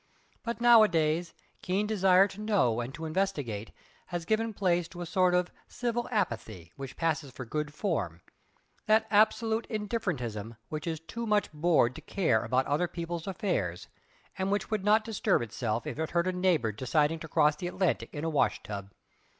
But nowadays keen desire to know and to investigate has given place to a sort of civil apathy which passes for good form that absolute indifferentism which is too much bored to care about other people's affairs, and which would not disturb itself if it heard of a neighbour deciding to cross the Atlantic in a washtub.